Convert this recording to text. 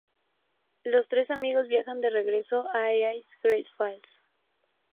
Los tres amigos viajan de regreso a East Great Falls.